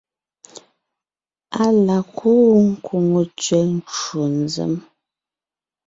Á la kúu kwòŋo tsẅɛ ncwò nzěm,